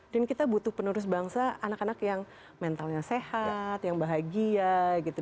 kita butuh penerus bangsa anak anak yang mentalnya sehat yang bahagia gitu